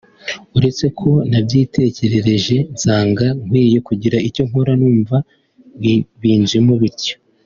uretse ko nabyitekerereje ngasanga nkwiye kugira icyo nkora numva binjemo bityo”